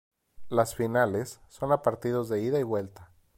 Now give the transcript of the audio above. Las finales son a partidos de ida y vuelta.